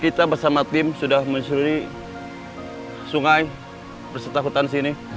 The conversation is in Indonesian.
kita bersama tim sudah menyusuri sungai berserta hutan sini